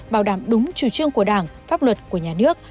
bảo đảm đúng chủ trương của đảng pháp luật của nhà nước